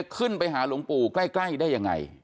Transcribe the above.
ขึ้นไปหาหลวงปู่ใกล้ได้ยังไง